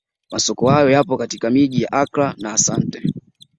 Masoko hayo yapo katika miji ya Accra na Asante